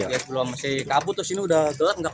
iya sebelum masih kabut terus ini udah gelap